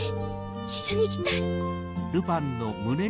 一緒に行きたい！